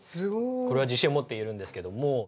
これは自信を持って言えるんですけども。